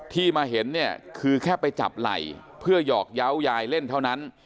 ที่มาเห็นเนี่ยคือแค่ไปจับไหล่เพื่อหยอกเยาว์ยายเล่นเท่านั้น